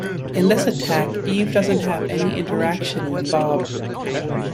In this attack Eve doesn't have any interaction with Bob.